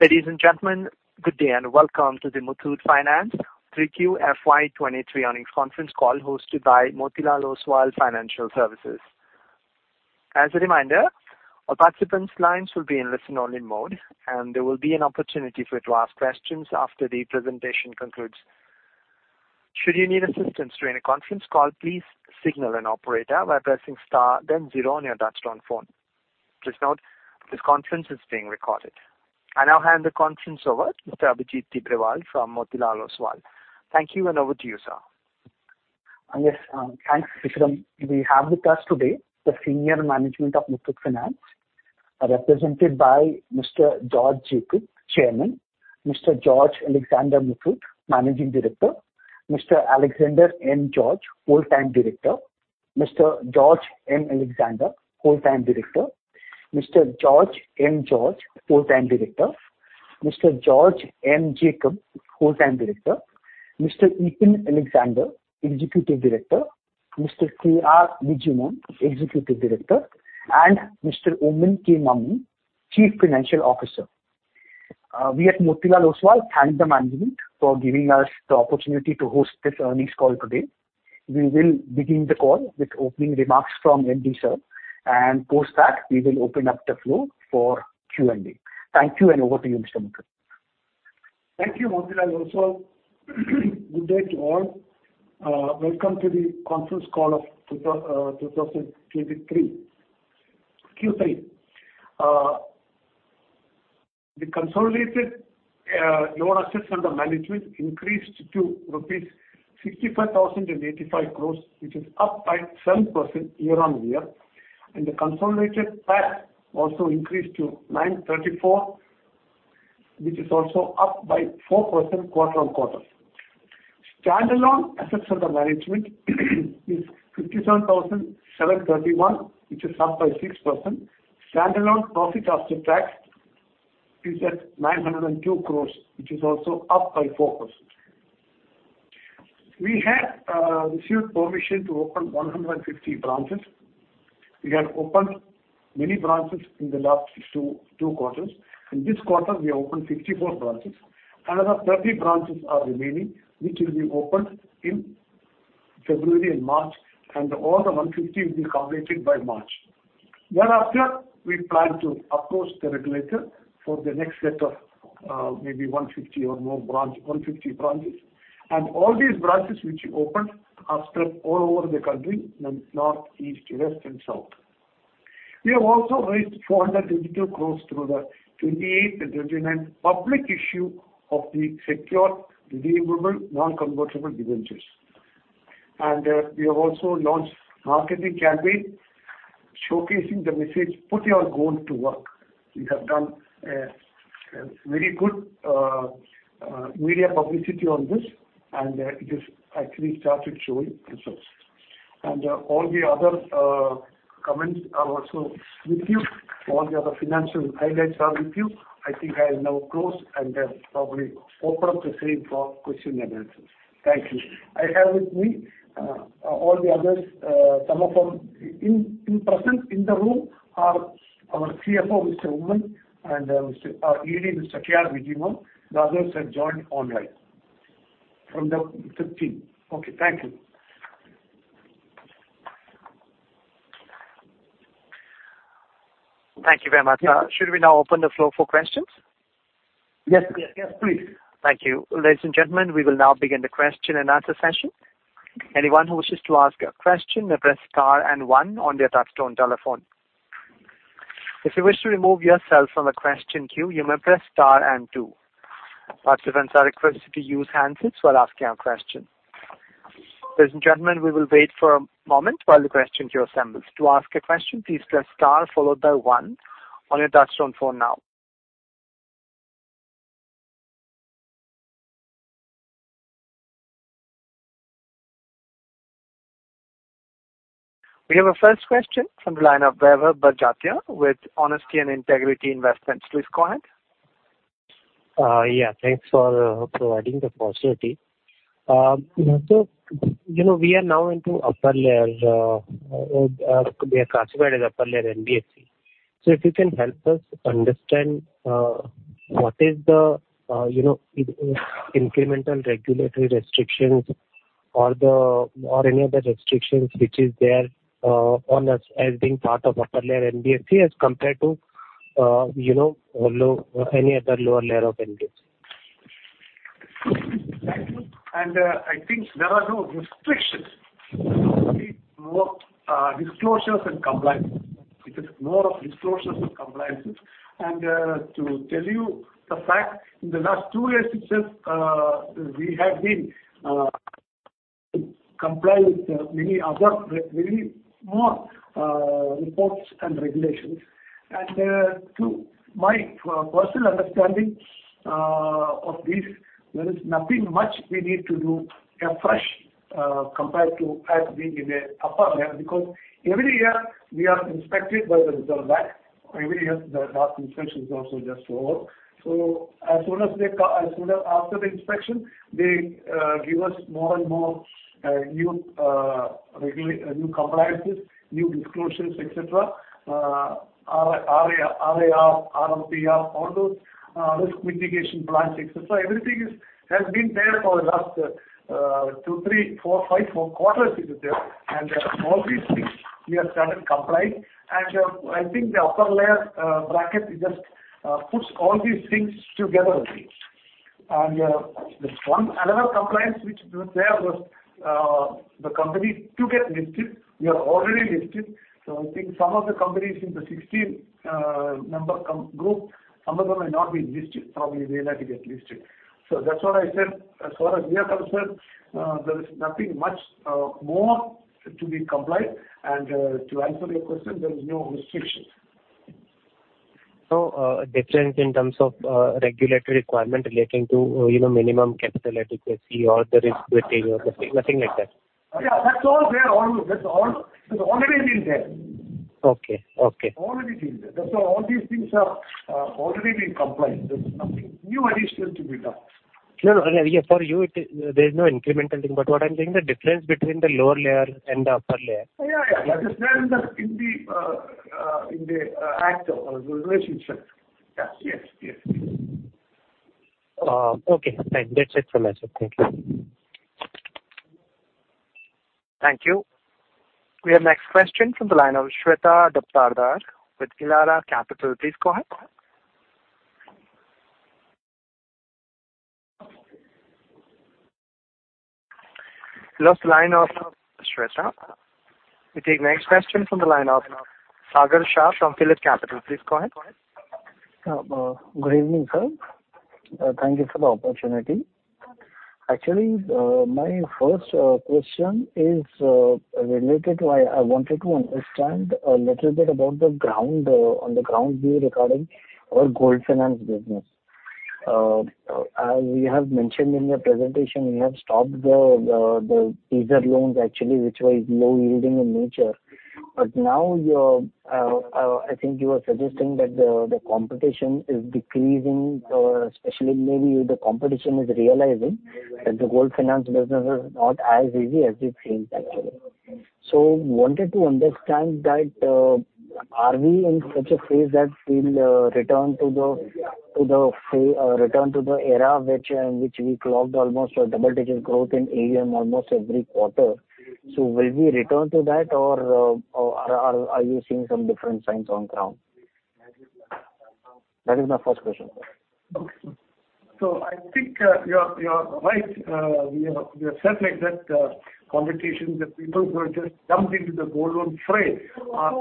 Ladies and gentlemen, good day and welcome to the Muthoot Finance 3Q FY23 Earnings Conference Call hosted by Motilal Oswal Financial Services. As a reminder, all participants' lines will be in listen-only mode, and there will be an opportunity for you to ask questions after the presentation concludes. Should you need assistance during the conference call, please signal an operator by pressing star then zero on your touchtone phone. Please note this conference is being recorded. I now hand the conference over to Mr. Abhijit Tibrewal from Motilal Oswal. Thank you, and over to you, sir. Yes, thanks, Vikram. We have with us today the senior management of Muthoot Finance, represented by Mr. George Jacob, Chairman, Mr. George Alexander Muthoot, Managing Director, Mr. Alexander N. George, Whole-time Director, Mr. George N. Alexander, Whole-time Director, Mr. George N. George, Whole-time Director, Mr. George N. Jacob, Whole-time Director, Mr. Eapen Alexander, Executive Director, Mr. K.R. Bijimon, Executive Director, and Mr. Oommen K. Mammen, Chief Financial Officer. We at Motilal Oswal thank the management for giving us the opportunity to host this earnings call today. We will begin the call with opening remarks from MD, sir, and post that, we will open up the floor for Q&A. Thank you, and over to you, Mr. Muthoot. Thank you, Motilal Oswal. Good day to all. Welcome to the conference call of 2023 Q3. The consolidated loan assets under management increased to rupees 65,085 crores, which is up by 7% year-on-year, and the consolidated PAT also increased to 934 crores, which is also up by 4% quarter-on-quarter. Stand-alone assets under management is 57,731 crores, which is up by 6%. Stand-alone profit after tax is at 902 crores, which is also up by 4%. We have received permission to open 150 branches. We have opened many branches in the last 2 quarters. In this quarter, we have opened 54 branches. Another 30 branches are remaining, which will be opened in February and March, and all the 150 will be completed by March. Thereafter, we plan to approach the regulator for the next set of, maybe 150 or more branch, 150 branches. All these branches which we opened are spread all over the country, north, east, west, and south. We have also raised 400 digital crores through the 28 and 29 public issue of the secure redeemable non-convertible debentures. We have also launched marketing campaign showcasing the message, "Put your Gold to work." We have done a very good media publicity on this, and it is actually started showing results. All the other comments are also with you. All the other financial highlights are with you. I think I'll now close and then probably open up the same for question and answers. Thank you. I have with me, all the others, some of them in present in the room are our CFO, Mr. Oommen, and Mr. ED, Mr. K.R. Bijimon. The others have joined online from the team. Okay, thank you. Thank you very much. Should we now open the floor for questions? Yes. Yes, yes, please. Thank you. Ladies and gentlemen, we will now begin the question and answer session. Anyone who wishes to ask a question may press star and one on their touchtone telephone. If you wish to remove yourself from the question queue, you may press star and two. Participants are requested to use handsets while asking a question. Ladies and gentlemen, we will wait for a moment while the question queue assembles. To ask a question, please press star followed by one on your touchtone phone now. We have our first question from the line of Vaibhav Badjatya with Honesty and Integrity Investments. Please go ahead. Yeah, thanks for providing the facility. You know, we are now into Upper Layer, we are classified as Upper Layer NBFC. If you can help us understand what is the, you know, incremental regulatory restrictions or the, or any other restrictions which is there on us as being part of Upper Layer NBFC as compared to, you know, any other lower layer of NBFC. Thank you. I think there are no restrictions. There's only more disclosures and compliances. It is more of disclosures and compliances. To tell you the fact, in the last two years itself, we have been comply with many other really more reports and regulations. To my personal understanding of this, there is nothing much we need to do afresh compared to as being in a Upper Layer because every year we are inspected by the Reserve Bank. Every year the last inspection is also just over. As soon as they after the inspection, they give us more and more new compliances, new disclosures, et cetera. RAR, RMPR, all those risk mitigation plans, et cetera. Everything has been there for the last, 2, 3, 4, 5, 4 quarters it is there. All these things we have started complying. I think the Upper Layer bracket just puts all these things together only. Yeah, that's one. Another compliance which they have was the company to get listed, we are already listed. I think some of the companies in the 16 number group, some of them may not be listed, so we realized to get listed. That's what I said. As far as we are concerned, there is nothing much more to be complied. To answer your question, there is no restrictions. Difference in terms of regulatory requirement relating to, you know, minimum capital adequacy or the risk weightage or something, nothing like that? Yeah, that's all there. That's all, it's already been there. Okay. Okay. Already been there. That's why all these things have already been complied. There's nothing new addition to be done. No, no. Yeah, for you it is, there's no incremental thing. What I'm saying, the difference between the lower layer and the Upper Layer. Yeah, yeah. That is there in the, in the, in the act or the regulation itself. Yeah. Yes. Yes. Yes. Okay. Fine. That's it from my side. Thank you. Thank you. We have next question from the line of Shweta Daptardar with Elara Capital. Please go ahead. Lost line of Shweta. We take next question from the line of Sagar Shah from PhillipCapital. Please go ahead. Good evening, sir. Thank you for the opportunity. Actually, my first question is related to I wanted to understand a little bit about the ground, on-the-ground view regarding our gold finance business. We have mentioned in your presentation you have stopped the teaser loans actually which was low yielding in nature. Now you're, I think you were suggesting that the competition is decreasing, or especially maybe the competition is realizing that the gold finance business is not as easy as it seems actually. Wanted to understand that, are we in such a phase that we'll return to the era which we clocked almost a double-digit growth in AUM almost every quarter? Will we return to that or are you seeing some different signs on ground? That is my first question. I think, you're right. We have certainly said, competition, the people who are just jumped into the gold loan fray are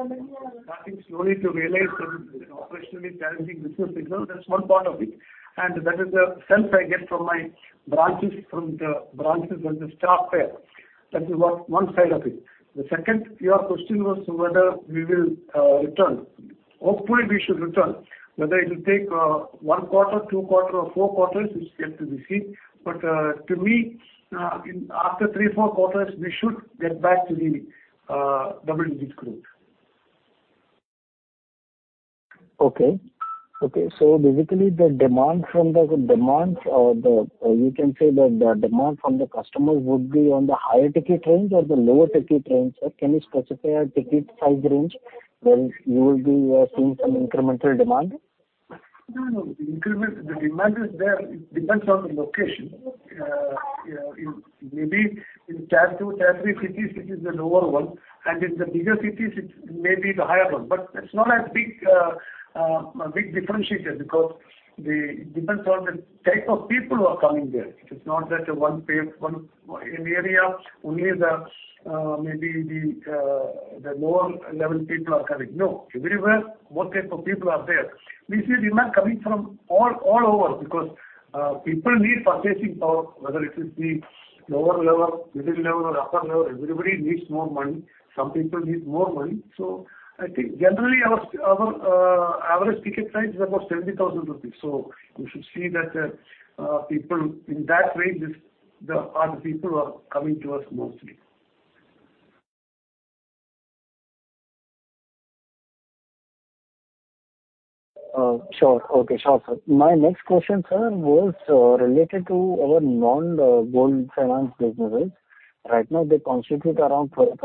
starting slowly to realize that it's an operationally challenging business as well. That's one part of it. That is the sense I get from the branches and the staff there. That is one side of it. The second, your question was whether we will return. Hopefully, we should return. Whether it'll take 1 quarter, 2 quarters or 4 quarters is yet to be seen. To me, in after 3, 4 quarters, we should get back to the double-digit growth. Okay. Okay. Basically the demand from the customers would be on the higher ticket range or the lower ticket range. Can you specify a ticket size range where you will be seeing some incremental demand? No, no. The increment, the demand is there. It depends on the location. In maybe in Tier 2, Tier 3 cities it is the lower one, and in the bigger cities it may be the higher one. It's not a big differentiator because it depends on the type of people who are coming there. It's not that one in area only the maybe the lower level people are coming. No. Everywhere all type of people are there. We see demand coming from all over because people need purchasing power, whether it is the lower level, middle level or upper level, everybody needs more money. Some people need more money. I think generally our average ticket size is about 70,000 rupees. You should see that people in that range are the people who are coming to us mostly. Sure. Okay. Sure, sir. My next question, sir, was related to our non-gold finance businesses. Right now they constitute around 4%.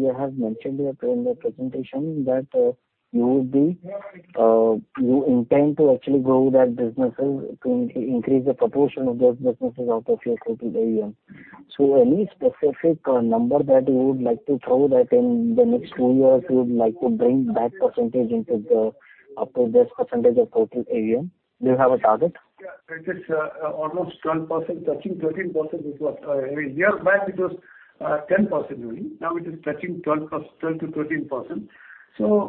You have mentioned it in your presentation that you would be, you intend to actually grow that businesses to increase the proportion of those businesses out of your total AUM. Any specific number that you would like to throw that in the next 2 years you would like to bring that percentage into the, up to what percentage of total AUM? Do you have a target? Yeah. It is almost 12%, touching 13%. It was, I mean years back it was 10% only. Now it is touching 12%-13%.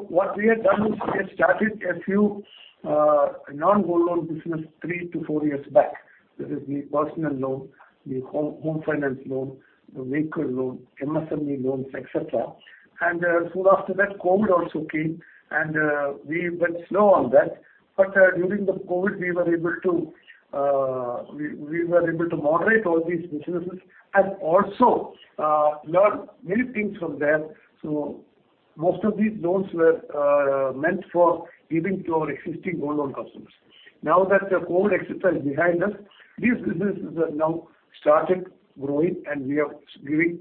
What we have done is we have started a few non-gold loan business 3 to 4 years back. That is the personal loan, the home finance loan, the vehicle loan, MSME loans, et cetera. Soon after that, COVID also came and we went slow on that. During the COVID we were able to, we were able to moderate all these businesses and also learn many things from them. Most of these loans were meant for giving to our existing gold loan customers. Now that the COVID exercise behind us, these businesses have now started growing and we are giving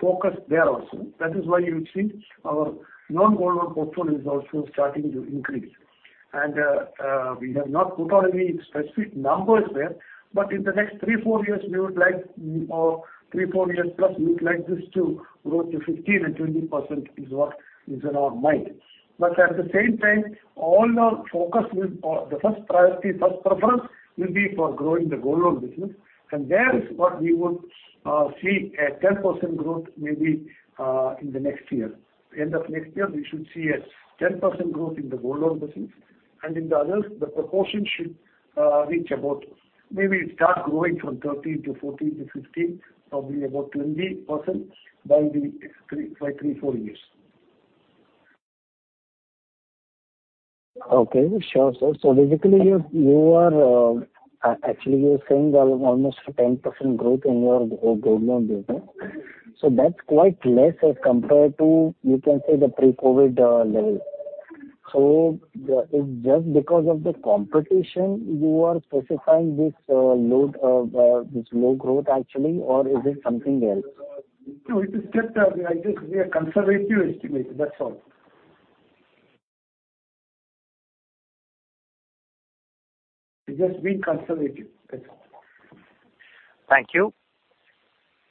focus there also. That is why you would see our non-gold loan portfolio is also starting to increase. We have not put out any specific numbers there, but in the next 3-4 years, we would like 3-4 years plus, we would like this to grow to 15%-20% is what is in our mind. At the same time, all our focus will or the first priority, first preference will be for growing the gold loan business. There is what we would see a 10% growth maybe in the next year. End of next year, we should see a 10% growth in the gold loan business. In the others, the proportion should reach about maybe start growing from 13 to 14 to 15, probably about 20% by 3-4 years. Okay. Sure, sir. Basically, you are actually saying almost a 10% growth in your gold loan business. That's quite less as compared to, you can say, the pre-COVID level. Is just because of the competition, you are specifying this load of this low growth actually, or is it something else? No, it is just, I think we are conservative estimate, that's all. We're just being conservative, that's all. Thank you.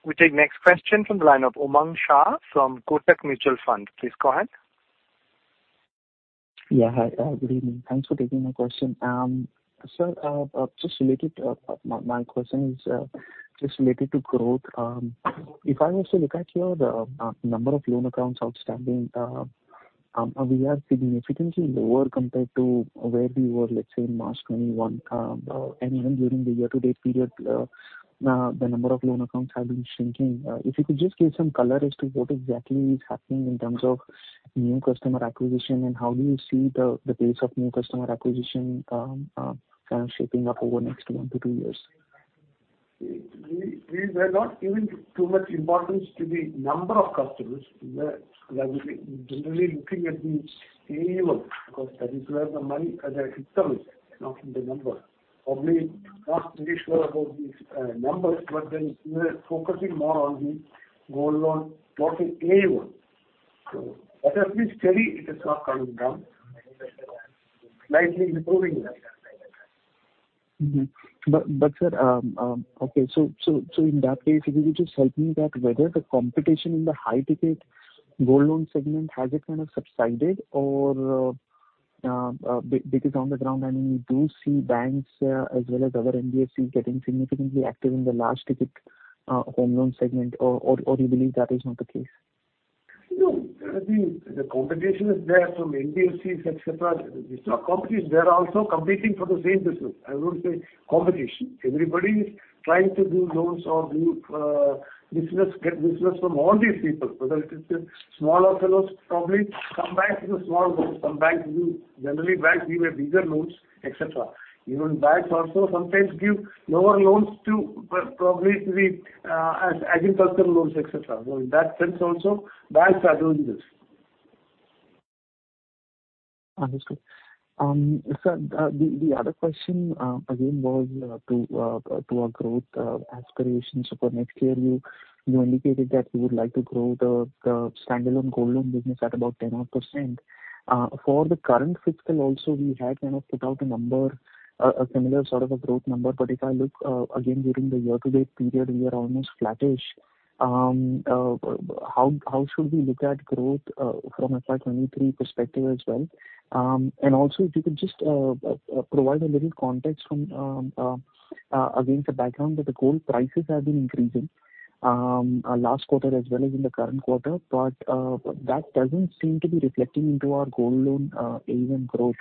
We take next question from the line of Umang Shah from Kotak Mutual Fund. Please go ahead. Yeah. Hi, good evening. Thanks for taking my question. Sir, my question is just related to growth. If I also look at your number of loan accounts outstanding, we are significantly lower compared to where we were, let's say, in March 2021. Even during the year-to-date period, the number of loan accounts have been shrinking. If you could just give some color as to what exactly is happening in terms of new customer acquisition, and how do you see the pace of new customer acquisition kind of shaping up over next 1-2 years? We were not giving too much importance to the number of customers. We were generally looking at the AUM because that is where the money... the interest is, not in the number. Probably not really sure about these numbers, We were focusing more on the gold loan total AUM. At least steady it is not coming down. Slightly improving even. Sir, okay. In that case, if you could just help me that whether the competition in the high ticket gold loan segment, has it kind of subsided? Because on the ground, I mean, we do see banks, as well as other NBFCs getting significantly active in the large ticket, home loan segment, or you believe that is not the case? No. I mean, the competition is there from NBFCs, etc. It's not competition. They are also competing for the same business. I wouldn't say competition. Everybody is trying to do loans or do business, get business from all these people. Whether it is a small or fellows, probably some banks do small loans, some banks do... Generally banks give a bigger loans, etc. Even banks also sometimes give lower loans to probably to the as agricultural loans, etc. In that sense also banks are doing this. Understood. Sir, the other question again was to our growth aspirations for next year. You indicated that you would like to grow the standalone gold loan business at about 10.5%. For the current fiscal also we had kind of put out a number, a similar sort of a growth number. If I look again during the year-to-date period, we are almost flattish. How should we look at growth from a FY23 perspective as well? Also if you could just provide a little context from against the background that the gold prices have been increasing last quarter as well as in the current quarter, but that doesn't seem to be reflecting into our gold loan AUM growth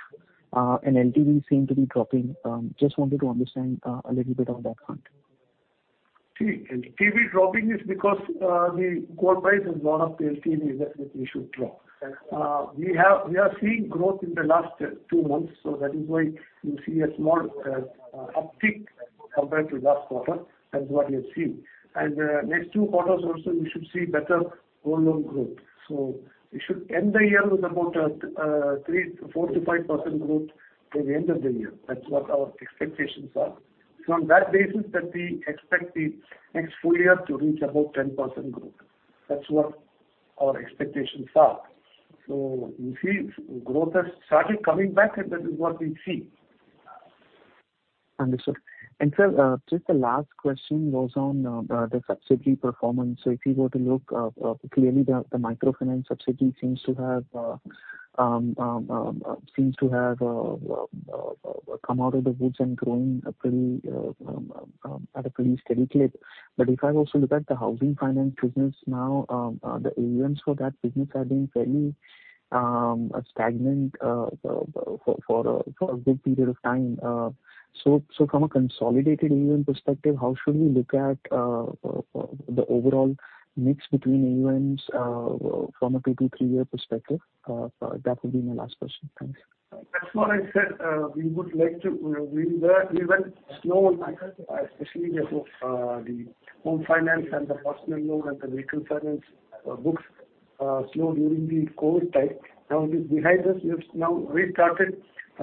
and LTV seem to be dropping. Just wanted to understand a little bit on that front. LTV dropping is because the gold price has gone up, the LTV definitely should drop. We are seeing growth in the last 2 months, that is why you see a small uptick compared to last quarter. That's what you're seeing. Next 2 quarters also you should see better gold loan growth. We should end the year with about 3%-5% growth by the end of the year. That's what our expectations are. It's on that basis that we expect the next full year to reach about 10% growth. That's what our expectations are. You see growth has started coming back, and that is what we see. Understood. Sir, just a last question was on the subsidiary performance. If you were to look, clearly the microfinance subsidiary seems to have come out of the woods and growing at a pretty steady clip. If I also look at the housing finance business now, the AUMs for that business have been fairly stagnant for a good period of time. From a consolidated AUM perspective, how should we look at the overall mix between AUMs from a 2-3 year perspective? That would be my last question. Thanks. That's what I said. We were even slow on microfinance, especially the both, the home finance and the personal loan and the vehicle finance books. Slow during the COVID time. Now it is behind us. We have now restarted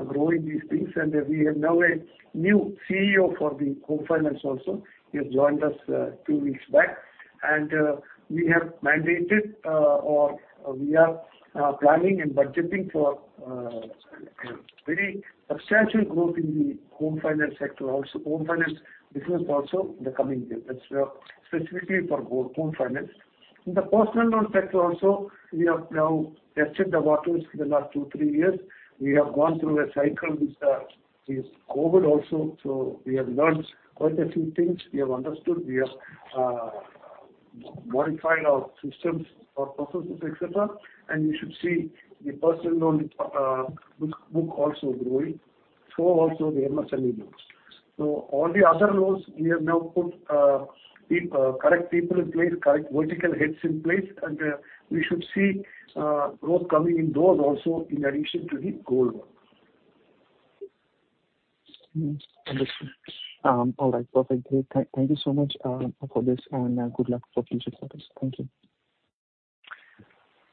growing these things, and we have now a new CEO for the home finance also. He has joined us two weeks back. We have mandated or we are planning and budgeting for a very substantial growth in the home finance sector. Home finance business also in the coming years. That's specifically for home finance. In the personal loan sector also, we have now tested the waters for the last two, three years. We have gone through a cycle with this COVID also. We have learned quite a few things. We have understood. We have modified our systems, our processes, et cetera, and you should see the personal loan book also growing. Also the MSME loans. All the other loans, we have now put correct people in place, correct vertical heads in place, and we should see growth coming in those also in addition to the gold one. Mm-hmm. Understood. All right. Perfect. Thank you so much for this. Good luck for future quarters. Thank you.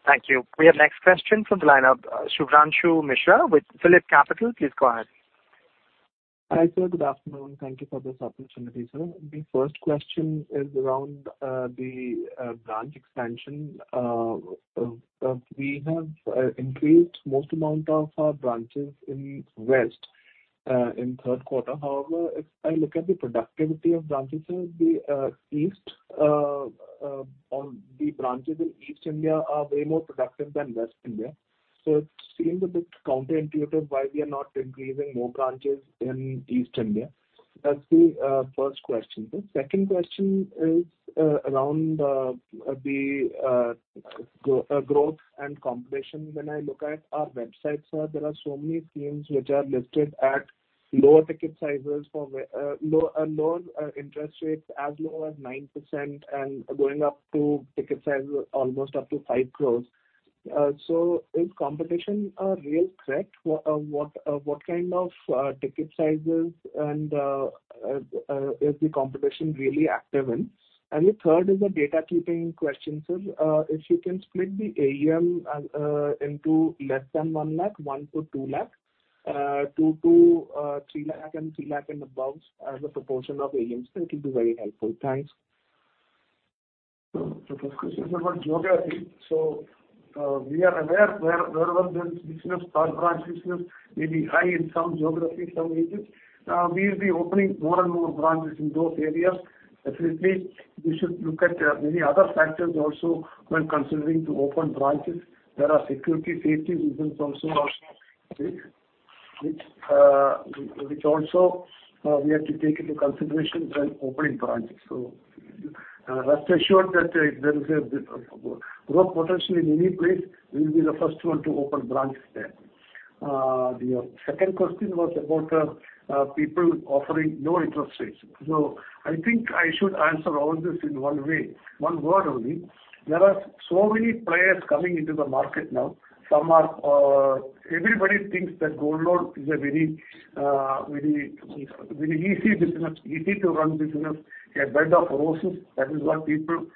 Thank you. We have next question from the lineup. Shubhranshu Mishra with PhillipCapital, please go ahead. Hi, sir. Good afternoon. Thank you for this opportunity, sir. The first question is around the branch expansion. We have increased most amount of our branches in West in third quarter. However, if I look at the productivity of branches in the East, the branches in East India are way more productive than West India. It seems a bit counterintuitive why we are not increasing more branches in East India. That's the first question. The second question is around the growth and competition. When I look at our website, sir, there are so many schemes which are listed at lower ticket sizes for low, lower interest rates as low as 9% and going up to ticket sizes almost up to 5 crores. Is competition a real threat? What kind of ticket sizes and is the competition really active in? The third is a data keeping question, sir. If you can split the AUM into less than 1 lakh, 1 lakh-2 lakh, 2 lakh-3 lakh, and 3 lakh and above as a proportion of AUMs, that will be very helpful. Thanks. The first question is about geography. Wherever there's business or branch business may be high in some geographies, some regions. We'll be opening more and more branches in those areas. Definitely, we should look at many other factors also when considering to open branches. There are security, safety reasons also, which also we have to take into consideration when opening branches. Rest assured that if there is a growth potential in any place, we'll be the first one to open branches there. Your second question was about people offering low interest rates. I think I should answer all this in one way, one word only. There are so many players coming into the market now. Some are... Everybody thinks that gold loan is a very, very easy business, easy to run business, a bed of roses. That is what people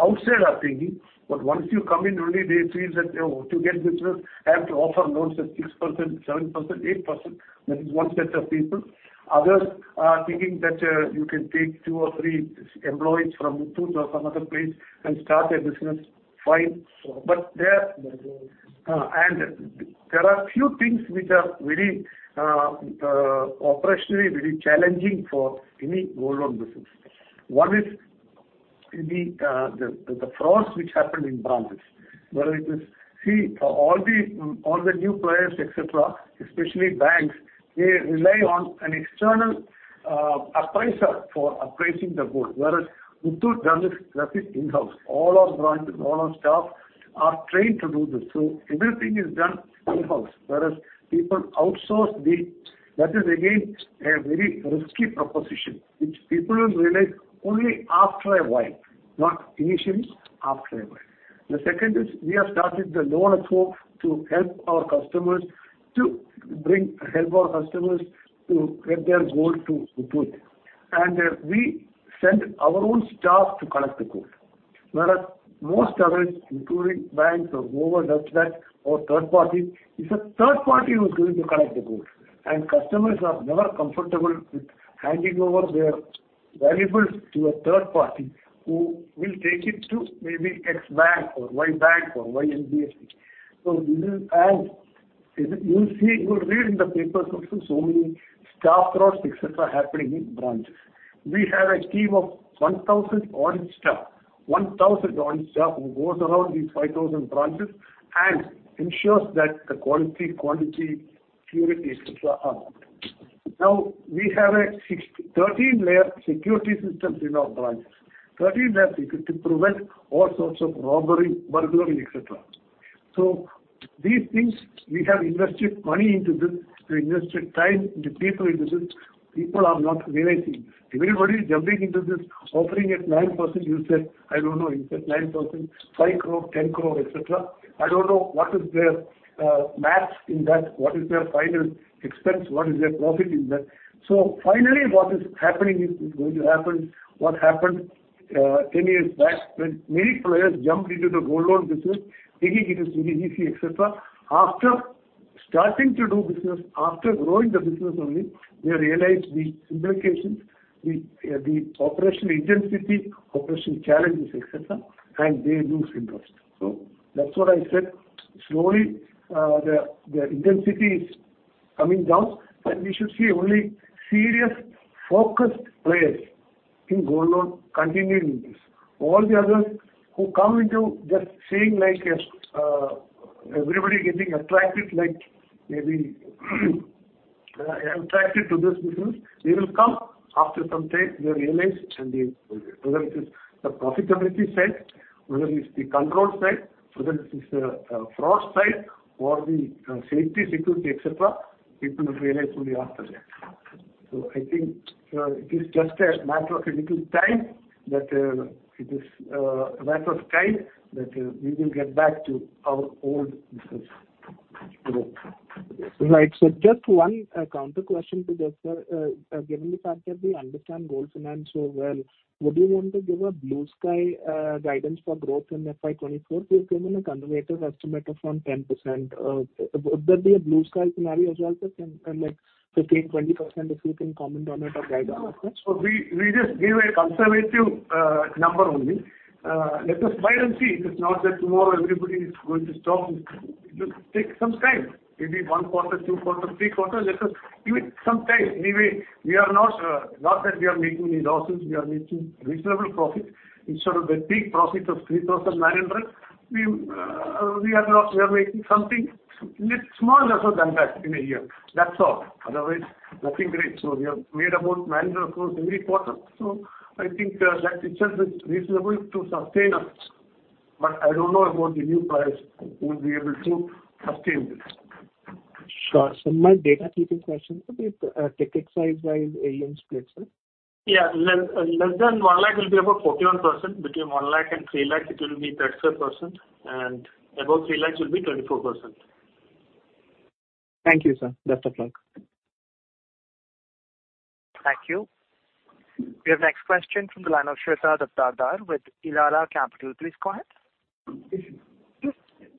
outside are thinking. Once you come in, only they see that, you know, to get business, have to offer loans at 6%, 7%, 8%. That is one set of people. Others are thinking that you can take 2 or 3 employees from Muthoot or some other place and start their business. Fine. And there are few things which are very operationally very challenging for any gold loan business. One is the frauds which happen in branches, whether it is. See, all the new players, et cetera, especially banks, they rely on an external appraiser for appraising the gold, whereas Muthoot does it, does it in-house. All our branches, all our staff are trained to do this. Everything is done in-house. Whereas people outsource. That is, again, a very risky proposition, which people will realize only after a while. Not initially, after a while. The second is we have started the Loan at Home to help our customers to bring, help our customers to get their gold to Muthoot. We send our own staff to collect the gold. Whereas most others, including banks or whoever does that or third party, it's a third party who's going to collect the gold. Customers are never comfortable with handing over their valuables to a third party who will take it to maybe X bank or Y bank or Y NBFC. This is. You'll see, you'll read in the papers also, so many staff frauds, et cetera, happening in branches. We have a team of 1,000 odd staff who goes around these 5,000 branches and ensures that the quality, quantity, purity, et cetera, are met. We have a 13-layer security systems in our branches. 13-layer security to prevent all sorts of robbery, burglary, et cetera. These things, we have invested money into this. We invested time and the people into this. People are not realizing. Everybody is jumping into this, offering at 9% you said. I don't know you said 9%, 5 crore, 10 crore, et cetera. I don't know what is their maths in that, what is their final expense, what is their profit in that. Finally, what is happening is going to happen, what happened 10 years back when many players jumped into the gold loan business, thinking it is very easy, et cetera. After starting to do business after growing the business only, they realize the implications, the operational intensity, operational challenges, et cetera, and they lose interest. That's what I said. Slowly, the intensity is coming down, and we should see only serious focused players in gold loan continuing this. All the others who come into just seeing like everybody getting attracted, like maybe attracted to this business, they will come. After some time they realize. Whether it is the profitability side, whether it's the control side, whether it is the fraud side or the safety, security, et cetera, people will realize only after that. I think, it is just a matter of a little time that, it is, a matter of time that, we will get back to our old business, you know. Right. Just one counter question to that, sir. Given the fact that we understand gold finance so well, would you want to give a blue sky guidance for growth in FY24? We've given a conservative estimate of around 10%. Would there be a blue sky scenario as well, sir, like 15%-20%, if you can comment on it or guide us, sir? we just give a conservative number only. Let us wait and see. It is not that tomorrow everybody is going to stop. It'll take some time, maybe one quarter, two quarter, three quarter. Let us give it some time. Anyway, we are not that we are making any losses. We are making reasonable profit. Instead of the peak profits of 3,900, we are making something lit smaller than that in a year. That's all. Otherwise, nothing great. we have made about 900 crores every quarter, so I think that itself is reasonable to sustain us. I don't know about the new players who will be able to sustain this. Sure. My data keeping question, sir, the ticket size by AUMs split, sir. Yeah. Less than 1 lakh will be about 41%. Between 1 lakh and 3 lakh it will be 37%. Above 3 lakhs will be 24%. Thank you, sir. That's okay. Thank you. We have next question from the line of Shweta Daptardar with Elara Capital. Please go ahead.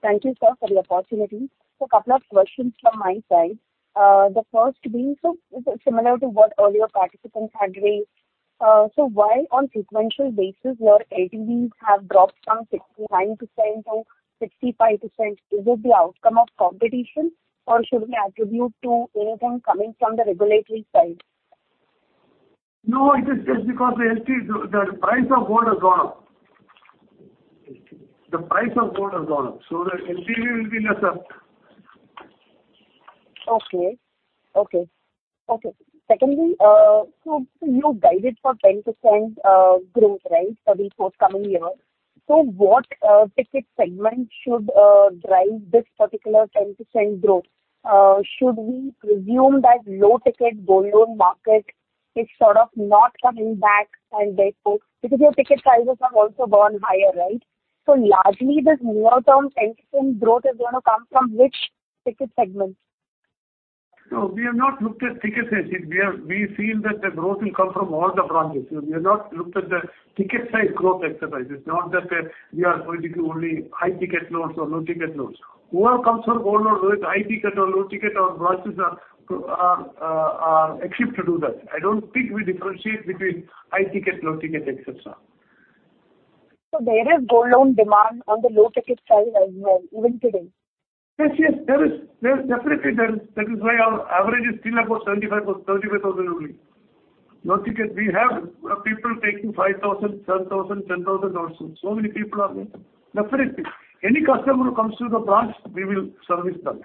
Thank you, sir, for the opportunity. A couple of questions from my side. The first being so similar to what earlier participants had raised. Why on sequential basis your ATVs have dropped from 69% to 65%? Is it the outcome of competition or should we attribute to anything coming from the regulatory side? It is just because the LTV, the price of gold has gone up. The price of gold has gone up, so the LTV will be lesser. Okay. Okay. Okay. Secondly, you guided for 10% growth, right, for the forthcoming year. What ticket segment should drive this particular 10% growth? Should we presume that low ticket gold loan market is sort of not coming back and therefore... Because your ticket sizes have also gone higher, right? Largely this near term 10% growth is gonna come from which ticket segment? No, we have not looked at ticket sizes. We feel that the growth will come from all the branches. We have not looked at the ticket size growth exercise. It's not that we are going to do only high ticket loans or low ticket loans. Whoever comes for gold loan, whether it's high ticket or low ticket or branches are equipped to do that. I don't think we differentiate between high ticket, low ticket, et cetera. There is gold loan demand on the low ticket side as well, even today? Yes, there is. There is definitely there. That is why our average is still about INR 35,000 only. Low ticket we have, people taking 5,000, INR 10,000 also. Many people are there. Definitely. Any customer who comes to the branch, we will service them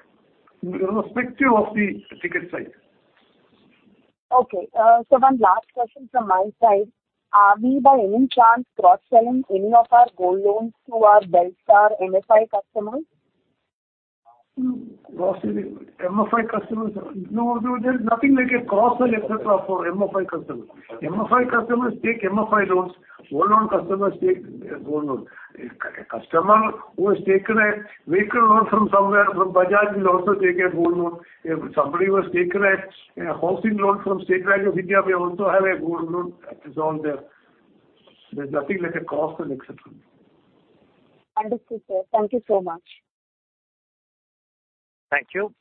irrespective of the ticket size. Okay. One last question from my side. Are we by any chance cross-selling any of our gold loans to our Belstar MFI customers? Cross-selling MFI customers? No, no. There's nothing like a cross-sell et cetera for MFI customers. MFI customers take MFI loans. Gold loan customers take gold loan. A customer who has taken a vehicle loan from somewhere from Bajaj will also take a gold loan. If somebody who has taken a housing loan from State Bank of India, we also have a gold loan. It's all there. There's nothing like a cross-sell, et cetera. Understood, sir. Thank you so much. Thank you.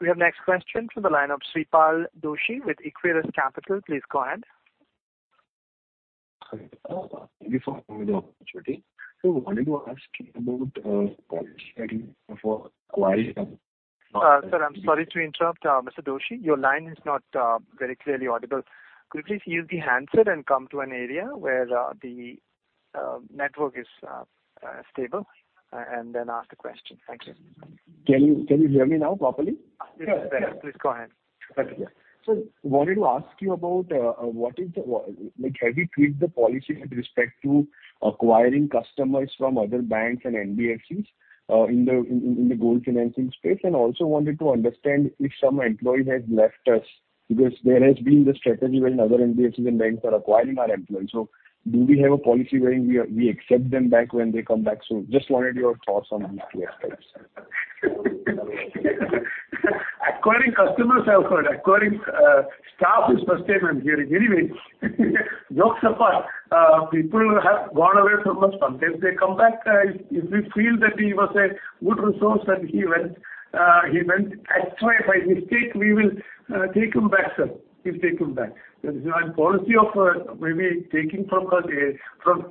We have next question from the line of Shreepal Doshi with Equirus Capital. Please go ahead. Thank you for the opportunity. wanted to ask about policy for. Sir, I'm sorry to interrupt, Mr. Doshi. Your line is not very clearly audible. Could you please use the handset and come to an area where the network is stable and then ask the question? Thank you. Can you hear me now properly? Yes. Better. Please go ahead. Thank you. Sir, wanted to ask you about what is the Like, have you tweaked the policy with respect to acquiring customers from other banks and NBFCs in the gold financing space? Also wanted to understand if some employee has left us because there has been the strategy when other NBFCs and banks are acquiring our employees, so do we have a policy wherein we accept them back when they come back? Just wanted your thoughts on these two aspects. Acquiring customers I've heard. Acquiring staff is first time I'm hearing. Jokes apart, people have gone away from us. Sometimes they come back. If, if we feel that he was a good resource and he went, he went astray by mistake, we will take him back, sir. We take him back. There's no policy of maybe taking from a, from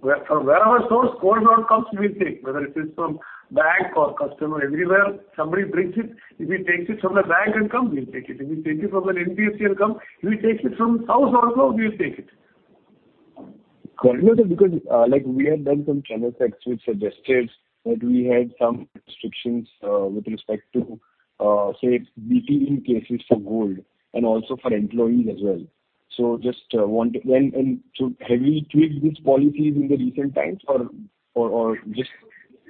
wherever source gold comes, we'll take. Whether it is from bank or customer, everywhere somebody brings it. If he takes it from the bank and come, we'll take it. If he takes it from an NBFC and come, if he takes it from house or wherever, we'll take it. Correct, because, like, we have done some channel checks which suggested that we had some restrictions, with respect to, say, B2B cases for gold and also for employees as well. Just want to have we tweaked these policies in the recent times or?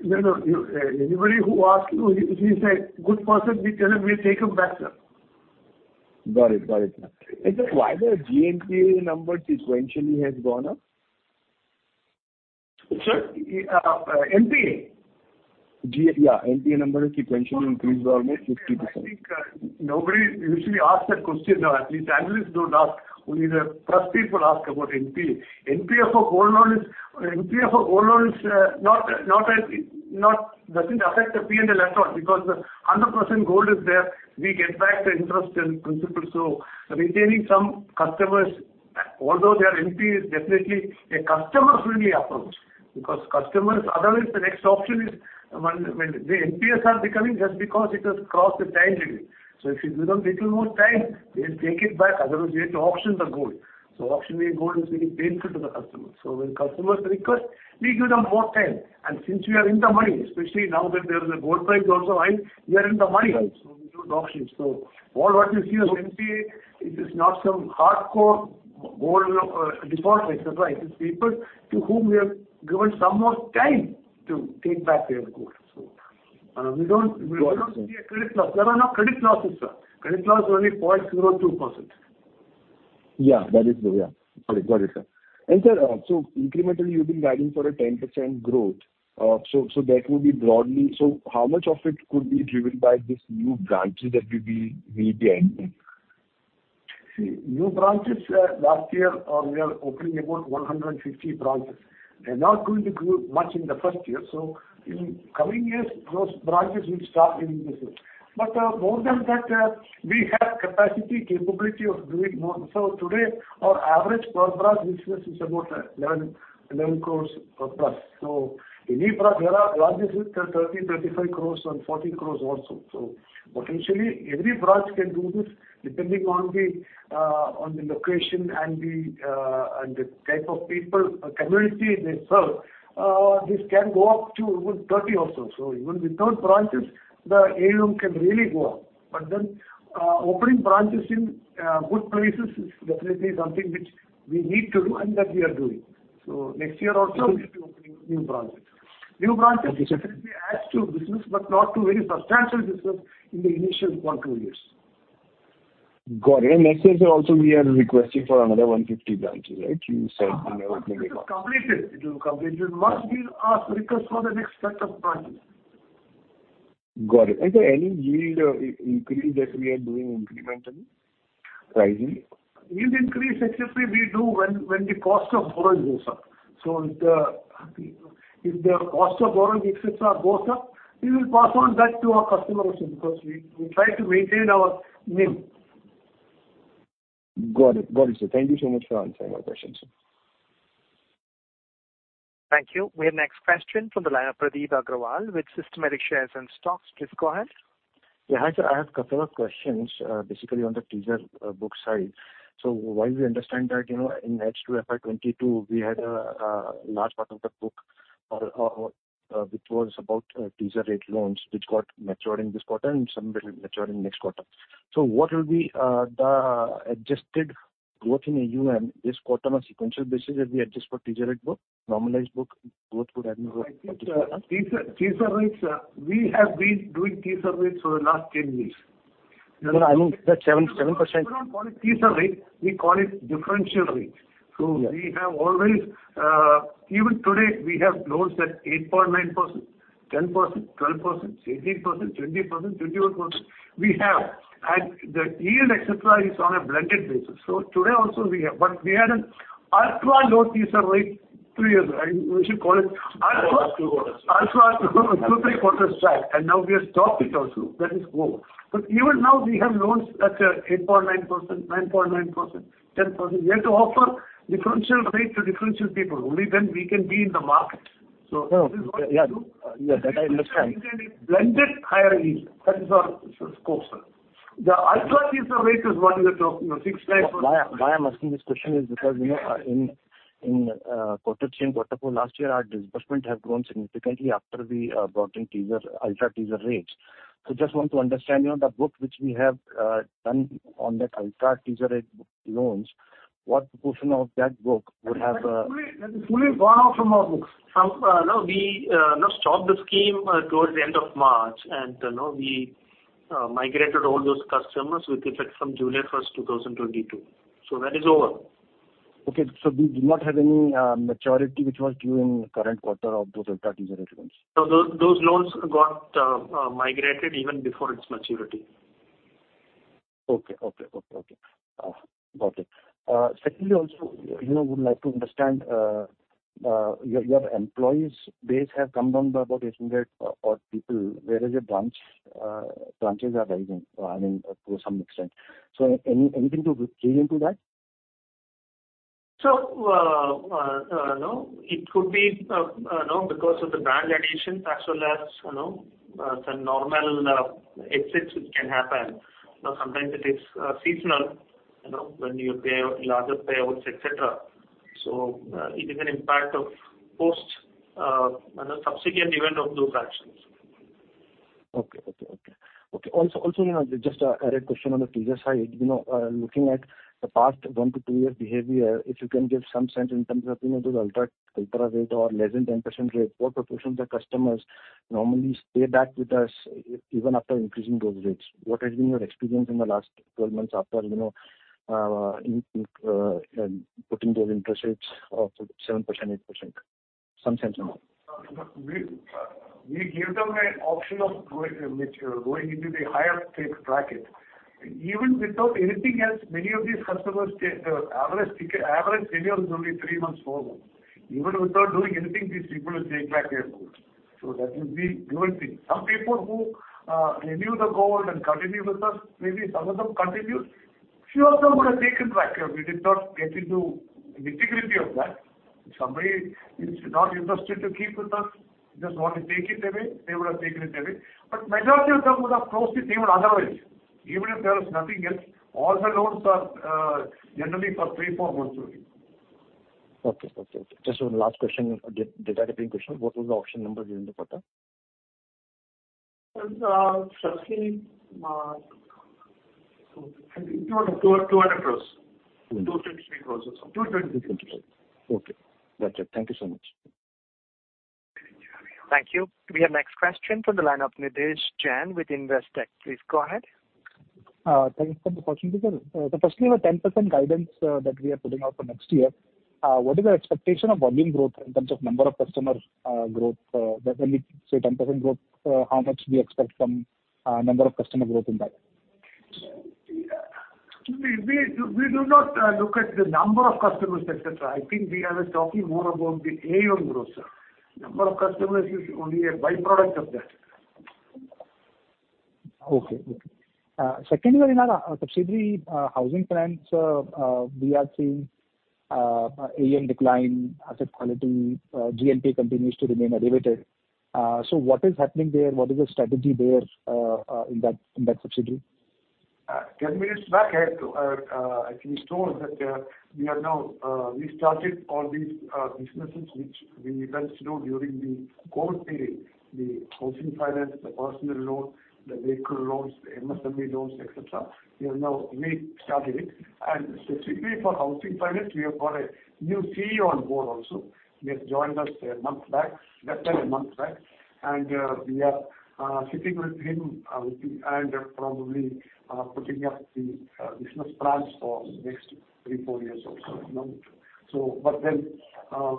No, no. Anybody who asks, if he's a good person, we tell him we'll take him back, sir. Got it. Got it, sir. Sir, why the GNPA number sequentially has gone up? Sir, NPA? Yeah, NPA number sequentially increased by almost 50%. I think nobody usually asks that question, or at least analysts don't ask. Only the press people ask about NPA. NPA for gold loan is, doesn't affect the P&L at all because the 100% gold is there. We get back the interest and principal. Retaining some customers, although their NPA is definitely a customer-friendly approach. Customers, otherwise, the next option is when the NPAs are becoming just because it has crossed the time limit. If you give them little more time, they'll take it back, otherwise we have to auction the gold. Auctioning gold is really painful to the customer. When customers request, we give them more time. Since we are in the money, especially now that there is a gold price also high, we are in the money. We don't auction. All what you see as NPA, it is not some hardcore gold defaulters, right? It's people to whom we have given some more time to take back their gold. We don't see a credit loss. There are no credit losses, sir. Credit loss is only 0.02%. Yeah. That is the... Yeah. Got it. Got it, sir. Incrementally, you've been guiding for a 10% growth. That will be broadly... How much of it could be driven by this new branches that you'll be needing? New branches, last year, we are opening about 150 branches. They're not going to grow much in the first year, in coming years, those branches will start giving business. More than that, we have capacity capability of doing more. Today, our average per branch business is about 11 crores or plus. Any branch, there are branches with 30 crores, 35 crores and 40 crores also. Potentially, every branch can do this depending on the location and the type of people or community they serve. This can go up to even 30 crores also. Even without branches, the AUM can really go up. Opening branches in good places is definitely something which we need to do and that we are doing. Next year also we'll be opening new branches. New branches definitely adds to business, but not to very substantial business in the initial one, two years. Got it. Next year also we are requesting for another 150 branches, right? It is completed. We must be request for the next set of branches. Got it. Any yield increase that we are doing incrementally rising? Yield increase actually we do when the cost of borrowing goes up. If the cost of borrowing, et cetera, goes up, we will pass on that to our customers also because we try to maintain our NIM. Got it. Got it, sir. Thank you so much for answering my questions. Thank you. We have next question from the line of Pradeep Agrawal with Systematix Shares and Stocks. Please go ahead. Yeah, hi sir, I have couple of questions basically on the teaser book side. While we understand that, you know, in H2 FY22, we had a large part of the book or which was about teaser rate loans which got matured in this quarter and some will mature in next quarter. What will be the adjusted growth in AUM this quarter on a sequential basis if we adjust for teaser rate book, normalized book growth would have been- I think, teaser rates, we have been doing teaser rates for the last 10 years. No, I mean the 7%. We don't call it teaser rate, we call it differential rate. Yeah. We have always, even today we have loans at 8.9%, 10%, 12%, 18%, 20%, 21%. We have. The yield et cetera is on a blended basis. Today also we have. We had an ultra low teaser rate three years back. Two quarters. Ultra, two, three quarters back, now we have stopped it also. That is over. Even now we have loans at, 8.9%, 9.9%, 10%. We have to offer differential rate to differential people. Only then we can be in the market. This is what we do. No, yeah. Yeah, that I understand. We generally blended higher yield. That is our, sort of, scope, sir. The ultra teaser rate is what you're talking of, 6%, 9%. Why I'm asking this question is because, you know, in quarter three and quarter four last year, our disbursement have grown significantly after we brought in teaser, ultra teaser rates. Just want to understand, you know, the book which we have done on that ultra teaser rate loans, what portion of that book would have. That is fully gone off from our books. From, we stopped the scheme towards the end of March. You know, we migrated all those customers with effect from July 1, 2022. That is over. We do not have any maturity which was due in current quarter of those ultra teaser loans? Those loans got migrated even before its maturity. Okay. Okay. Okay. Okay. Got it. Secondly also, you know, would like to understand, your employees base have come down by about 800 odd people, whereas your branches are rising, I mean, to some extent. Anything to key into that? you know, it could be, you know, because of the brand additions as well as, you know, some normal exits which can happen. You know, sometimes it is seasonal, you know, when you pay larger payouts, et cetera. it is an impact of post, you know, subsequent event of those actions. Okay. Okay. Okay. Okay. Also, you know, just a direct question on the teaser side. You know, looking at the past 1 to 2 years behavior, if you can give some sense in terms of, you know, those ultra rate or less than 10% rate, what proportion of the customers normally stay back with us even after increasing those rates? What has been your experience in the last 12 months after, you know, putting those interest rates of 7%, 8%? Some sense on that. We give them an option of going into the higher state bracket. Even without anything else, many of these customers take average ticket, average tenure is only 3 months for them. Even without doing anything, these people will take back their loans. That will be one thing. Some people who renew the gold and continue with us, maybe some of them continued. Few of them would have taken back. We did not get into nitty-gritty of that. If somebody is not interested to keep with us, just want to take it away, they would have taken it away. Majority of them would have closed it even otherwise. Even if there was nothing else, all the loans are generally for 3-4 months only. Okay. Okay. Just one last question, data-driven question. What was the option number during the quarter? It's roughly INR 200 crores. INR 253 crores or so. INR 220 crores. Okay. Gotcha. Thank you so much. Thank you. We have next question from the line of Nidhesh Jain with Investec. Please go ahead. Thank you for the opportunity, sir. So firstly the 10% guidance that we are putting out for next year, what is the expectation of volume growth in terms of number of customer growth? When we say 10% growth, how much we expect from number of customer growth in that? We do not look at the number of customers, et cetera. I think we are talking more about the AUM growth, sir. Number of customers is only a by-product of that. Okay. Okay. Secondly, you know, the subsidiary, housing finance, we are seeing AUM decline, asset quality, GNPA continues to remain elevated. What is happening there? What is the strategy there in that, in that subsidiary? 10 minutes back, as we told that, we are now, we started all these businesses which we ventured during the course period, the housing finance, the personal loan, the vehicle loans, the MSME loans, et cetera. We have now restarted it. Specifically for housing finance, we have got a new CEO on board also. He has joined us 1 month back, less than 1 month back, and we are sitting with him with and probably putting up the business plans for next 3-4 years or so, you know.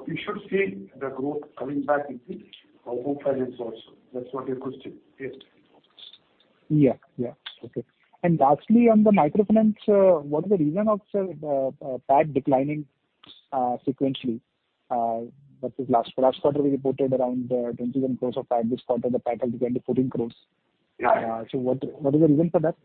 We should see the growth coming back in the home finance also. That's what you're questioning. Yes. Yeah. Yeah. Okay. Lastly, on the microfinance, what is the reason of the PAT declining sequentially? Versus last quarter we reported around 27 crores of PAT. This quarter the PAT has declined to 14 crores. Yeah. What is the reason for that?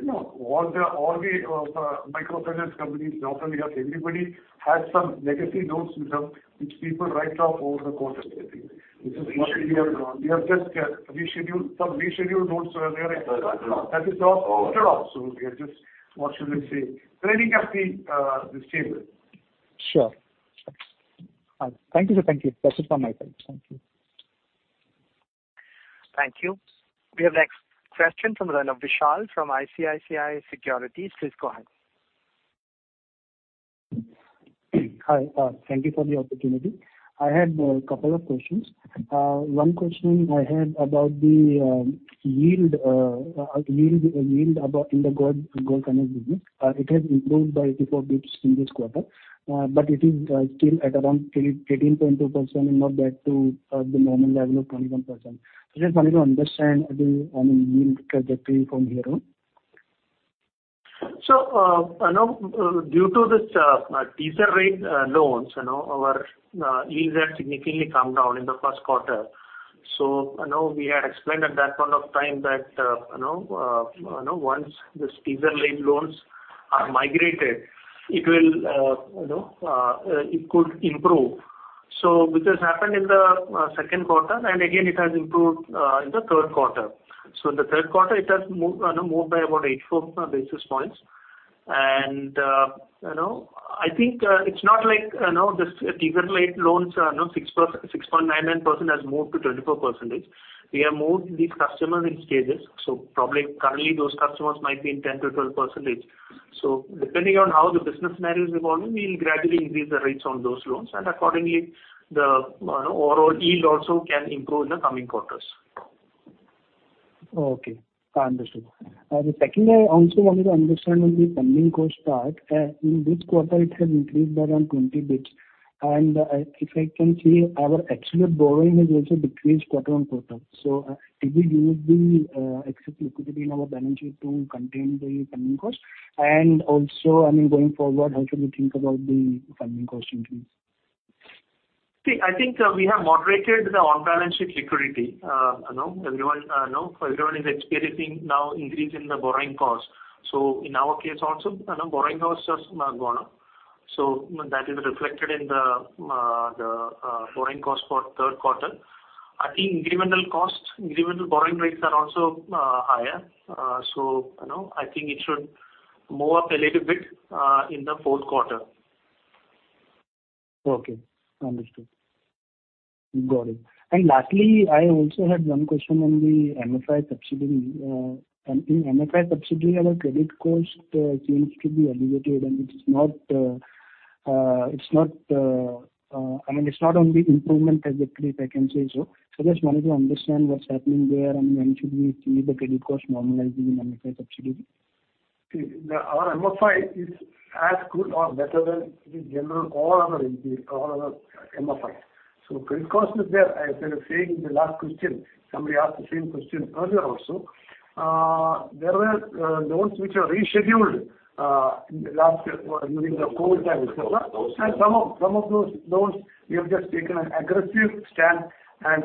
You know, all the microfinance companies, not only us, everybody has some legacy loans with them which people write off over the course of the year. Reschedule. We have just reschedule. Some rescheduled loans were there. That is now altered also. We are just, what should I say, cleaning up the stable. Sure. Thank you, sir. Thank you. That's it from my side. Thank you. Thank you. We have next question from the line of Vishal from ICICI Securities. Please go ahead. Hi. Thank you for the opportunity. I had couple of questions. One question I had about the yield about in the gold finance business. It has improved by 84 basis in this quarter, but it is still at around 13.2% and not back to the normal level of 21%. Just wanted to understand the, I mean, yield trajectory from here on. You know, due to this teaser rate loans, you know, our yields have significantly come down in the first quarter. you know, we had explained at that point of time that, you know, once this teaser rate loans are migrated, it will, you know, it could improve. This has happened in the second quarter, and again, it has improved in the third quarter. In the third quarter, it has, you know, moved by about 84 basis points. you know, I think, it's not like, you know, this teaser rate loans are, you know, 6.99% has moved to 24%. We have moved these customers in stages, so probably currently those customers might be in 10%-12%. Depending on how the business narrative is evolving, we'll gradually increase the rates on those loans, and accordingly the, you know, overall yield also can improve in the coming quarters. Okay. Understood. The second I also wanted to understand on the funding cost part. In this quarter, it has increased by around 20 bits. If I can say, our actual borrowing has also decreased quarter-on-quarter. Did we use the excess liquidity in our balance sheet to contain the funding cost? Also, I mean, going forward, how should we think about the funding cost increase? I think, we have moderated the on-balance sheet liquidity, you know. Everyone is experiencing now increase in the borrowing costs. In our case also, you know, borrowing costs has gone up. That is reflected in the borrowing cost for third quarter. I think incremental costs, incremental borrowing rates are also higher. You know, I think it should move up a little bit in the fourth quarter. Okay. Understood. Got it. Lastly, I also had one question on the MFI subsidy. In MFI subsidy our credit cost seems to be elevated, and it is not, I mean, it's not only improvement trajectory, if I can say so. Just wanted to understand what's happening there and when should we see the credit cost normalizing in MFI subsidy. The... Our MFI is as good or better than the general all other NBFC, all other MFIs. Credit cost is there. As I was saying in the last question, somebody asked the same question earlier also. There were loans which were rescheduled in the last during the COVID time, et cetera. Some of those loans, we have just taken an aggressive stand and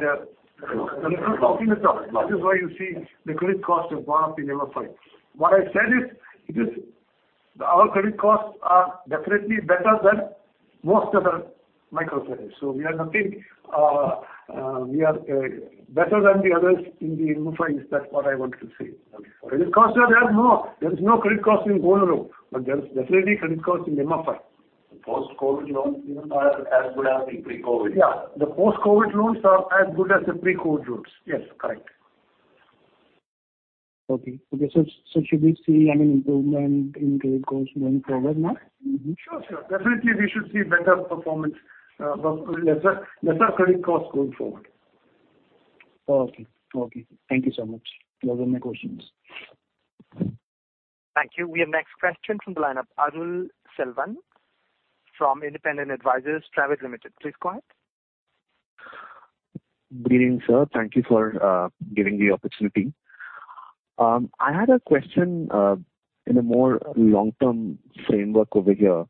recovered off in itself. That is why you see the credit cost is gone up in MFI. What I said is, it is. Our credit costs are definitely better than most of the microfinance. We are nothing, we are better than the others in the MFIs. That's what I want to say. Okay. Credit costs are there, no. There is no credit cost in gold loan, but there is definitely credit cost in MFI. The post-COVID loans are as good as the pre-COVID. Yeah. The post-COVID loans are as good as the pre-COVID loans. Yes, correct. Okay. Okay. Should we see, I mean, improvement in credit costs going forward now? Sure, sir. Definitely we should see better performance, lesser credit costs going forward. Okay. Okay. Thank you so much. Those are my questions. Thank you. We have next question from the lineup, Arul Selvan from Independent Advisors Private Limited. Please go ahead. Good evening, sir. Thank you for giving the opportunity. I had a question in a more long-term framework over here.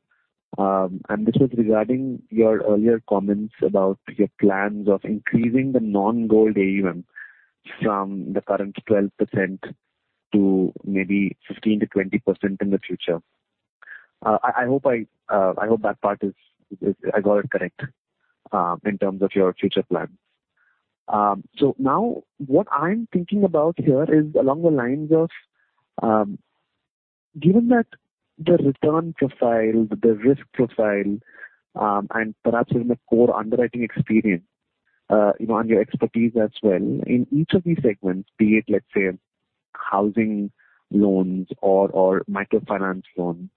This was regarding your earlier comments about your plans of increasing the non-gold AUM from the current 12% to maybe 15%-20% in the future. I hope that part is, I got it correct in terms of your future plans. Now what I'm thinking about here is along the lines of, given that the return profile, the risk profile, and perhaps even the core underwriting experience, you know, and your expertise as well, in each of these segments, be it, let's say, housing loans or microfinance loans,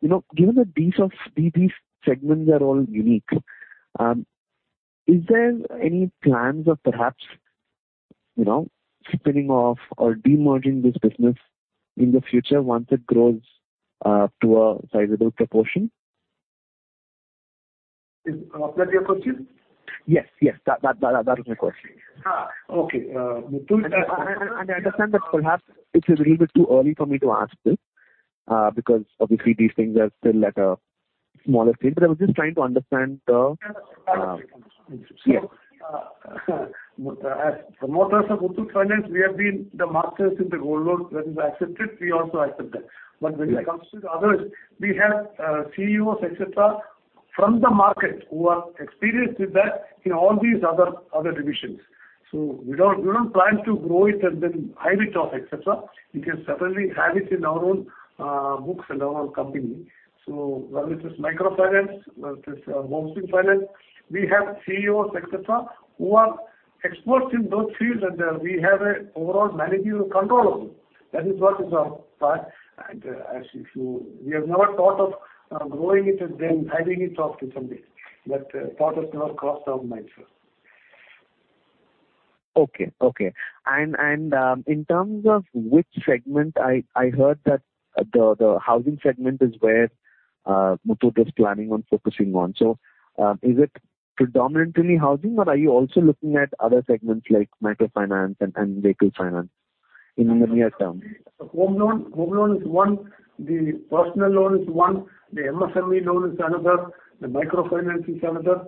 you know, given that these segments are all unique, is there any plans of perhaps, you know, spinning off or demerging this business in the future once it grows, to a sizable proportion? Is that your question? Yes. That was my question. okay. Muthoot Finance. I understand that perhaps it's a little bit too early for me to ask this, because obviously these things are still at a smaller stage, but I was just trying to understand the. Yeah. I understand. Yes. As promoters of Muthoot Finance, we have been the masters in the gold loan business. I accept it, we also accept that. When it comes to the others, we have CEOs from the market who are experienced with that in all these other divisions. We don't, we don't plan to grow it and then hide it off. We can certainly have it in our own books and our own company. Whether it is microfinance, whether it is home finance, we have CEOs who are experts in those fields and we have a overall managerial control of it. That is what is our plan. We have never thought of growing it and then hiding it off to somebody. That thought has never crossed our minds, sir. Okay. Okay. In terms of which segment, I heard that the housing segment is where Muthoot is planning on focusing on. Is it predominantly housing or are you also looking at other segments like microfinance and vehicle finance in the near term? Home loan, home loan is one, the personal loan is one, the MSME loan is another, the microfinance is another.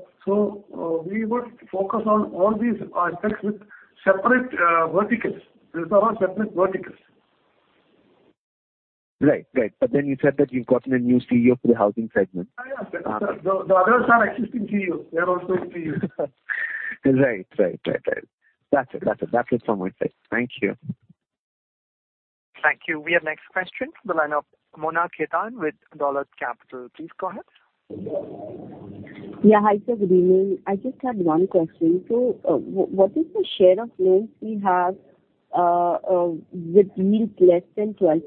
We would focus on all these aspects with separate, verticals. These are all separate verticals. Right. Right. You said that you've gotten a new CEO for the housing segment. Yeah. The others are existing CEOs. They are also CEOs. Right. Right. Right. Right. That's it from my side. Thank you. Thank you. We have next question from the lineup, Mona Khetan with Dolat Capital. Please go ahead. Yeah. Yeah. Hi, sir. Good evening. I just had one question. What is the share of loans we have with yield less than 12%?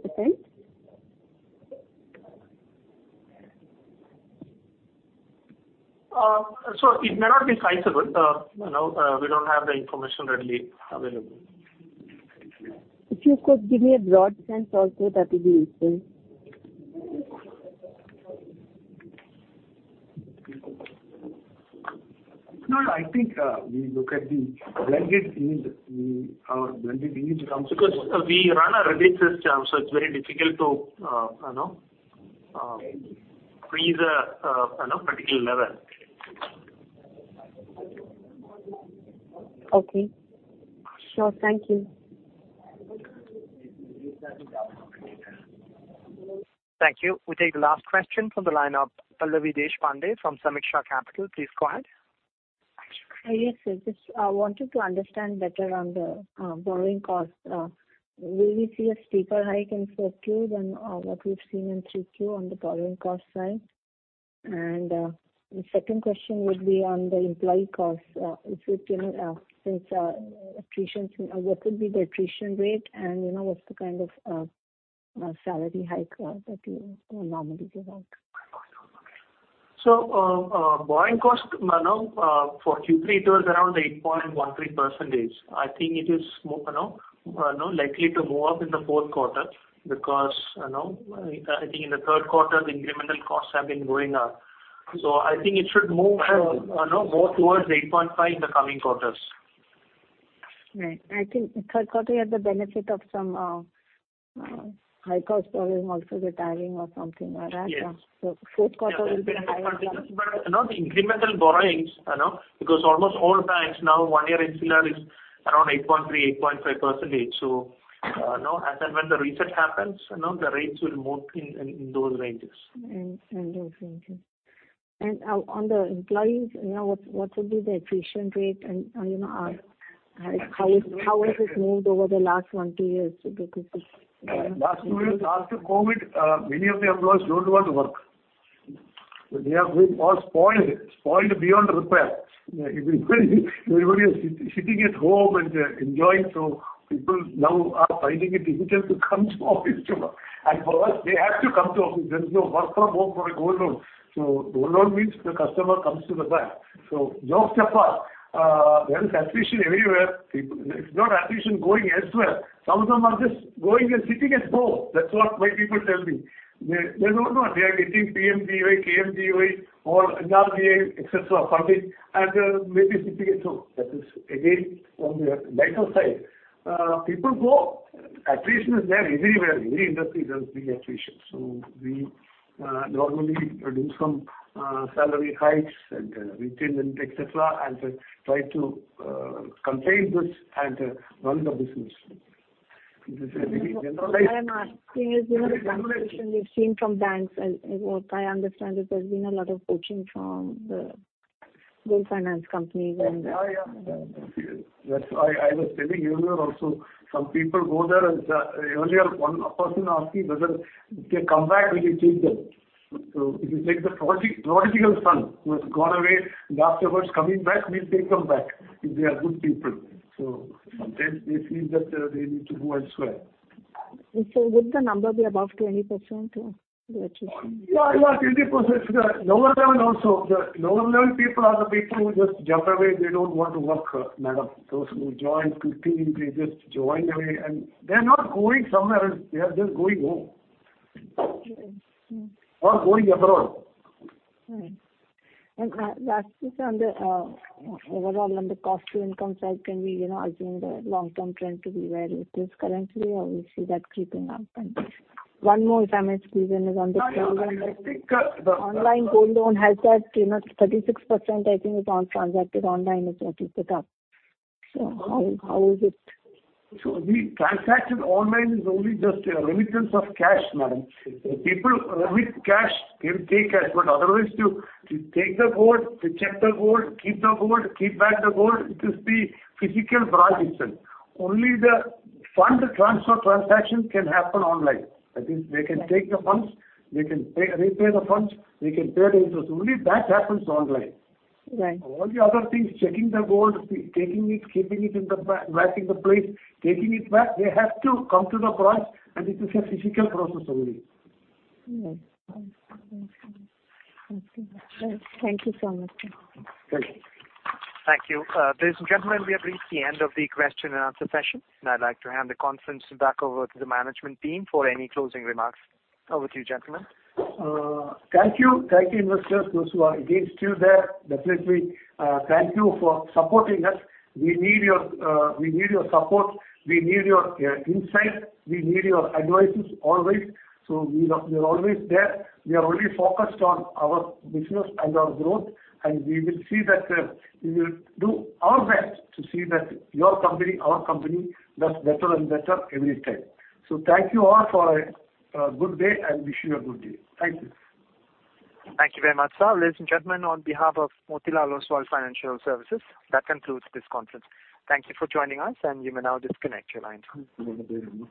It may not be sizable. You know, we don't have the information readily available. If you could give me a broad sense also, that would be useful. No, I think, we look at the blended yield. Our blended yield comes- We run a regulated term, so it's very difficult to, you know. Freeze, you know, particular level. Okay. Sure. Thank you. Thank you. We take the last question from the line of Pallavi Deshpande from Sameeksha Capital. Please go ahead. Yes, sir. Just wanted to understand better on the borrowing cost. Will we see a steeper hike in Q4 than what we've seen in Q3 on the borrowing cost side? The second question would be on the employee costs. If you know, since attritions, what would be the attrition rate and, you know, what's the kind of salary hike that you normally give out? Borrowing cost, you know, for Q3 it was around 8.13%. I think it is, you know, likely to move up in the fourth quarter because, you know, I think in the third quarter the incremental costs have been going up. I think it should move, you know, more towards 8.5% in the coming quarters. Right. I think third quarter you had the benefit of some high-cost borrowing also retiring or something like that. Yes. fourth quarter will be higher. You know, the incremental borrowings, you know, because almost all banks now one year MCLR is around 8.3, 8.5%. You know, as and when the reset happens, you know, the rates will move in, in those ranges. In those ranges. On the employees, you know, what would be the attrition rate and, you know, how has this moved over the last 1, 2 years? Last two years after COVID, many of the employees don't want to work. They have been all spoiled beyond repair. Everybody is sitting at home and enjoying. People now are finding it difficult to come to office. For us they have to come to office. There's no work from home for a gold loan. Gold loan means the customer comes to the bank. Jokes apart, there is attrition everywhere. People. If not attrition going elsewhere, some of them are just going and sitting at home. That's what my people tell me. They don't know they are getting PMGY, KMGY or NREGA, et cetera, funding, and they're maybe sitting at home. That is again, on the lighter side. People go. Attrition is there everywhere. Every industry there is the attrition. We normally do some salary hikes and retain them, et cetera, and try to contain this and run the business. This is a very generalized. I am asking is, you know, the competition we've seen from banks and what I understand is there's been a lot of poaching from the gold finance companies. Yeah, yeah. That's why I was telling you earlier also, some people go there. As earlier, one person asked me whether if they come back, will you take them? If you take the prodigal son who has gone away and afterwards coming back, we'll take them back if they are good people. Sometimes they feel that they need to go elsewhere. Would the number be above 20% or the attrition? Yeah. Yeah. 20%. The lower level also. The lower level people are the people who just jump away. They don't want to work, madam. Those who join quickly, they just join away. They're not going somewhere else, they are just going home. Right. Mm-hmm. Going abroad. Right. Lastly sir on the, overall on the Cost to Income side, can we, you know, assume the long-term trend to be where it is currently, or we see that creeping up? One more, if I may squeeze in is on the gold loan. No, no. I think. Online gold loan has that, you know, 36% I think is all transacted online is what you said. How is it? The transacted online is only just a remittance of cash, madam. People with cash can take cash, but otherwise to take the gold, to check the gold, keep the gold, keep back the gold, it is the physical branch itself. Only the fund transfer transaction can happen online. That is they can take the funds, they can pay, repay the funds, they can pay the interest. Only that happens online. Right. All the other things, checking the gold, the taking it, keeping it in the vaulting the place, taking it back, they have to come to the branch. This is a physical process only. Right. Thank you. Thank you so much, sir. Thank you. Thank you. Ladies and gentlemen, we have reached the end of the question and answer session, and I'd like to hand the conference back over to the management team for any closing remarks. Over to you, gentlemen. Thank you. Thank you, investors, those who are again still there. Definitely, thank you for supporting us. We need your, we need your support, we need your, insight, we need your advices always. We are, we are always there. We are only focused on our business and our growth, and we will see that, we will do our best to see that your company, our company does better and better every time. Thank you all for a good day, and wish you a good day. Thank you. Thank you very much, sir. Ladies and gentlemen, on behalf of Motilal Oswal Financial Services, that concludes this conference. Thank you for joining us, and you may now disconnect your lines. Thank you very much.